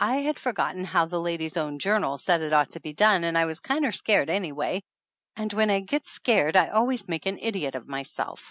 I had forgotten how The Ladies' Own Journal said it ought to be done, and I was kinder scared anyway ; and when I get scared I always make an idiot of myself.